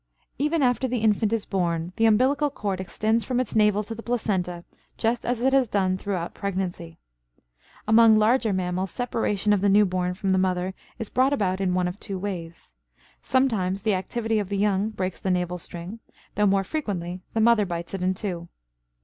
Even after the infant is born the umbilical cord extends from its navel to the placenta, just as it has done throughout pregnancy. Among larger mammals separation of the new born from the mother is brought about in one of two ways; sometimes the activity of the young breaks the navel string, though more frequently the mother bites it in two.